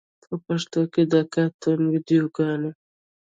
په پښتو کې د کاټون ویډیوګانې